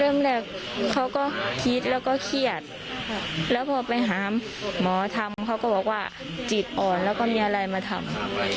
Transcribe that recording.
เริ่มแรกเขาก็คิดแล้วก็เครียดแล้วพอไปหาหมอทำเขาก็บอกว่าจิตอ่อนแล้วก็มีอะไรมาทำ